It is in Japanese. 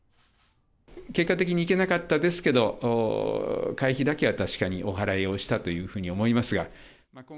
結果的に行けなかったですけど、会費だけは確かにお払いをしたというふうに思いますが。